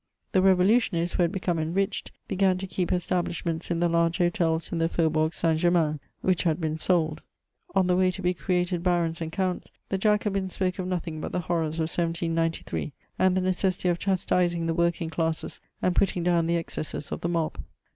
The revolutionists, who had become enriched, began to keep establishments in the large hotels in the Faubourg St. Ger main, which had been sold. On the way to be created barons and counts, the Jacobins spoke of nothing" but the horrors of 1793, and the necessity of chastising the working classes and putting down the excesses of the mob.